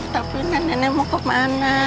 tapi nenek mau kemana